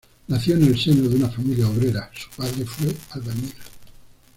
Nació en el seno de una familia obrera, su padre fue albañil.